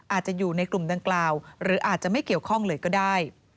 อาจจะอยู่ในกลุ่มดังกล่าวหรืออาจจะไม่เกี่ยวข้องเลยก็ได้